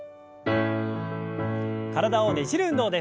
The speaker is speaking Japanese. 体をねじる運動です。